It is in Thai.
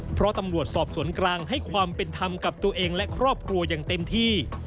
เพราะตำรวจสอบสวนกลางให้ความเป็นธรรมกับตัวเองและครอบครัวอย่างเต็มที่